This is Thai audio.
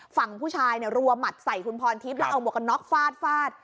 ฝั่งผู้ชายเนี่ยรัวหมัดใส่คุณพรทิพย์แล้วเอาหวกกันน็อกฟาดฟาด